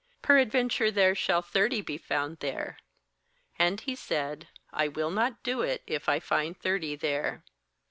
Peradventure there shall thirty be found there.' And He said: 'I will not do it, if I find thirty there.'